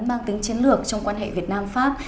mang tính chiến lược trong quan hệ việt nam pháp